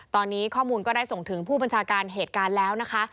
ตอนนี้ข้อมูลก็ได้ส่งถึงผู้บัญชาการเหตุการณ์แล้วนะคะ